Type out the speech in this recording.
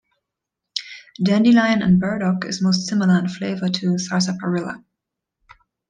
Dandelion and burdock is most similar in flavour to sarsaparilla.